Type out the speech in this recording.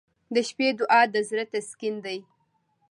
• د شپې دعا د زړه تسکین دی.